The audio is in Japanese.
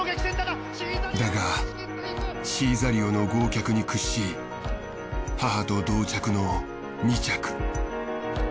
だがシーザリオの豪脚に屈し母と同着の２着。